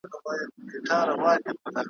په دې وطن کي دا څه قیامت دی `